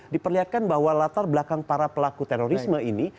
diperlihatkan bahwa latar belakang para pelaku terorisme ini